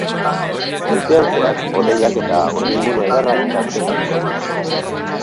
Goizean zehar, hodeiak eta urdingune ederrak tartekatuko dira.